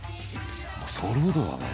ソウルフードだね。